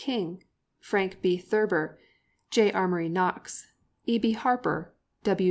King, Frank B. Thurber, J. Amory Knox, E.B. Harper, W.